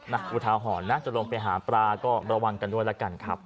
อุทาหรณ์นะจะลงไปหาปลาก็ระวังกันด้วยแล้วกันครับ